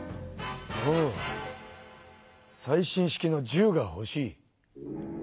ああ最新式の銃がほしい？